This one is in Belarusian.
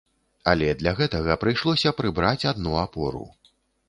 Але для гэтага прыйшлося прыбраць адну апору.